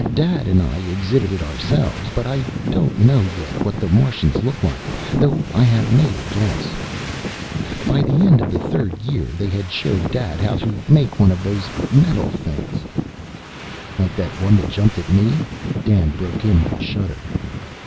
Dad and I exhibited ourselves, but I don't know yet what the Martians look like though I have made a guess. "By the end of the third year they had showed Dad how to make one of those metal things " "Like that one that jumped at me?" Dan broke in with a shudder.